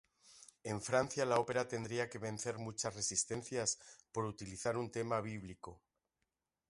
En Francia la ópera tendría que vencer muchas resistencias por utilizar un tema bíblico.